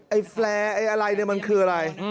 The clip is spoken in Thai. แฟร์ไอ้อะไรเนี่ยมันคืออะไร